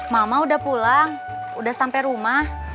mama udah pulang udah sampai rumah